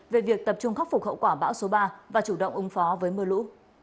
về việc tập trung khắc phục hậu quả bão số ba và chủ động ứng phó với mưa lũ